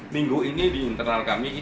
minggu ini di internal kami